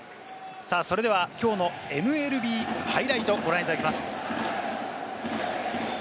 さぁ、それではきょうのＭＬＢハイライトをご覧いただきます。